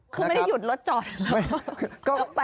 คือไม่ได้หยุดรถจอดหรือเปล่า